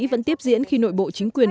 vẫn tiếp diễn khi nội bộ chính quyền